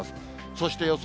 そして予想